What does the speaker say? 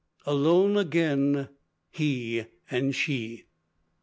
alone again he and she!"